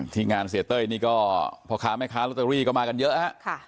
ที่งานเสียเต้ยนี่ก็พ่อค้าแม่ค้าลอตเตอรี่ก็มากันเยอะฮะ